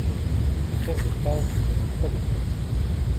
Mais faire des phrases ne demande pas d'effort.